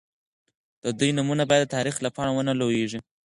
د دوی نومونه باید د تاریخ له پاڼو ونه لوېږي.